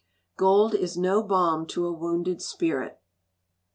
[GOLD IS NO BALM TO A WOUNDED SPIRIT.